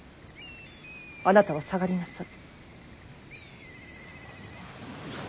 あなたは下がりなさい。